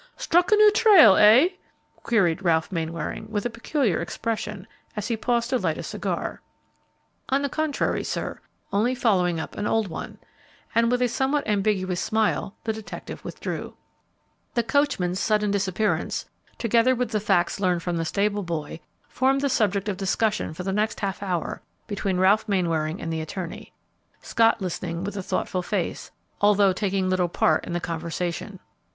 "Struck a new trail, eh?" queried Ralph Mainwaring, with a peculiar expression, as he paused to light a cigar. "On the contrary, sir, only following up an old one," and, with a somewhat ambiguous smile, the detective withdrew. The coachman's sudden disappearance, together with the facts learned from the stable boy, formed the subject of discussion for the next half hour between Ralph Mainwaring and the attorney, Scott listening with a thoughtful face, although taking little part in the conversation.